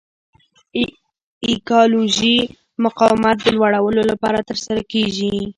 ایکالوژیکي مقاومت د لوړلولو لپاره ترسره کیږي.